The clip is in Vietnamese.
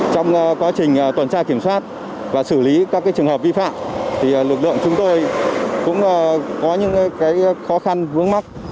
trong quá trình tuần tra kiểm soát và xử lý các trường hợp vi phạm lực lượng chúng tôi cũng có những khó khăn vướng mắt